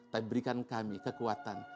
tapi berikan kami kekuatan